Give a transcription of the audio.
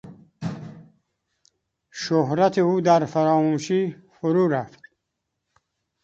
شهرت او در فراموشی فرو رفت.